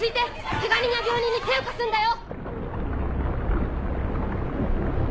ケガ人や病人に手を貸すんだよ！